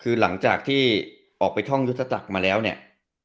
คือหลังจากที่ออกไปท่องยุทธจักรมาแล้วเนี่ย